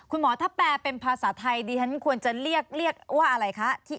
คุณหมอถ้าแปลเป็นภาษาไทยดิฉันควรจะเรียกว่าอะไรคะ